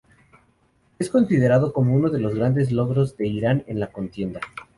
Es considerada como uno de los grandes logros de Irán en la contienda.